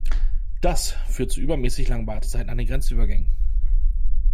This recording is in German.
Das führt zu übermäßig langen Wartezeiten an den Grenzübergängen.